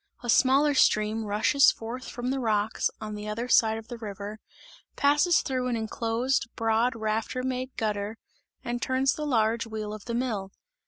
A smaller stream, rushes forth from the rocks on the other side of the river, passes through an enclosed, broad rafter made gutter and turns the large wheel of the mill.